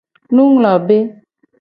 Nunglobe.